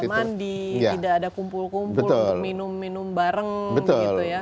mandi tidak ada kumpul kumpul untuk minum minum bareng gitu ya